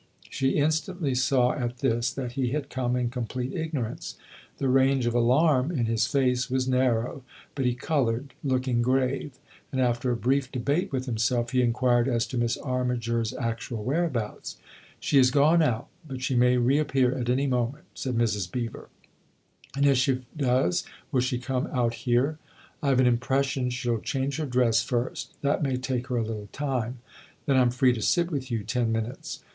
She instantly saw at this that he had come in complete ignorance. The range of alarm in his face was narrow, but he coloured, looking grave ; and after a brief debate with himself he inquired as to Miss Armiger's actual where abouts. " She has gone out, but she may reappear at any moment," said Mrs. Beever. " And if she does, will she come out here ?"" I've an impression she'll change her dress first. That may take her a little time." " Then I'm free to sit with you ten minutes